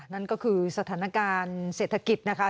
นั่นก็คือสถานการณ์เศรษฐกิจนะคะ